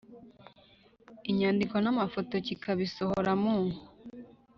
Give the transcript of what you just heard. inyandiko n amafoto kikabisohora mu